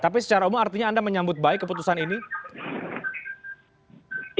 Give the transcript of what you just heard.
tapi secara umum artinya anda menyambut baik keputusan ini